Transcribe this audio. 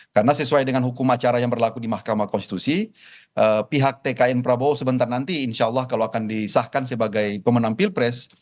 karena sesuai dengan hukum acara yang berlaku di mahkamah konstitusi pihak tkn prabowo sebentar nanti insya allah kalau akan disahkan sebagai pemenang pilpres